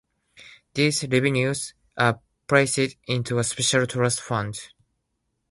These revenues are placed into a special trust fund.